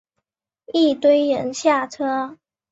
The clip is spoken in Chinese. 一堆人下车